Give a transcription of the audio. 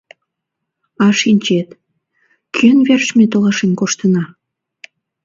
А шинчет, кӧн верч ме толашен коштына?